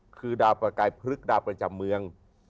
คือดาวประกายพฤกษดาวประจำเมือง